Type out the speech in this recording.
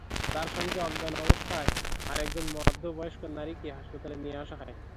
তাঁর সঙ্গে অজ্ঞান অবস্থায় আরেকজন মধ্য বয়স্ক নারীকে হাসপাতালে নিয়ে আসা হয়।